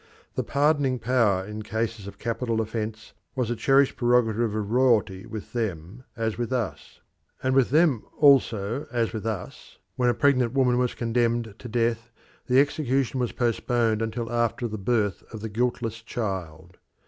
The pardoning power in cases of capital offence was a cherished prerogative of royalty with them as with us; and with them, also as with us, when a pregnant woman was condemned to death the execution was postponed until after the birth of the guiltless child.